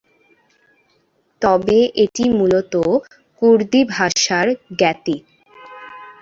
তবে এটি মূলতঃ কুর্দি ভাষার জ্ঞাতি।